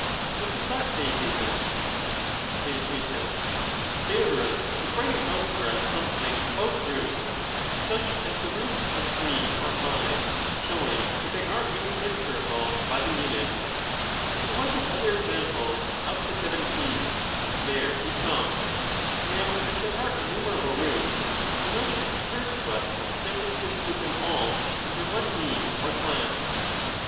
5^^^ wijat was that, Theaetetus? Theaetetus Theaet, Theodorus was writing out for us something about crates* drift, r^o^s, such as the roots of three or five, showing that they and tells are incQ|nmensurab]e by the unit : he selected other ex uTvented*'^ ampies up to" seventeen —there he stopped. Now as there general are innumerable roots, the notion occurred to us of attempting terms for ^^ include them all under one name or class.